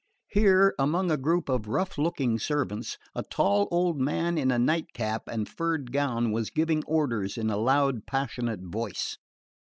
Here, among a group of rough looking servants, a tall old man in a nightcap and furred gown was giving orders in a loud passionate voice.